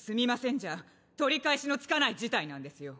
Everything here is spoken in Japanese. じゃ取り返しのつかない事態なんですよ。